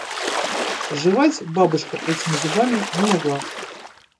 Жевать бабушка этими зубами не могла.